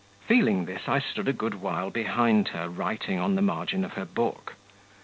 Feeling this, I stood a good while behind her, writing on the margin of her book.